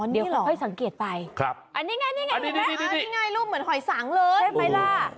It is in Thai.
เดี๋ยวค่อยสังเกตไปอันนี้ไงรูปเหมือนหอยสังเลยใช่มั้ยล่ะ